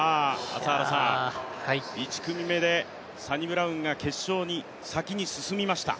１組目でサニブラウンが決勝に先に進みました。